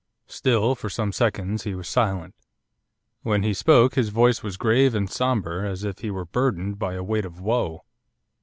Still for some seconds he was silent. When he spoke his voice was grave and sombre, as if he were burdened by a weight of woe.